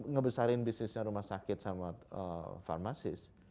ngebesarin bisnisnya rumah sakit sama farmasis